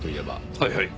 はいはい。